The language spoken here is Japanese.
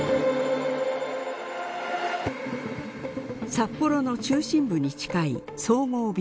札幌の中心部に近い総合病院。